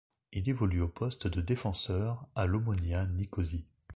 Il évolue au poste de défenseur à l'Omonia Nicosie.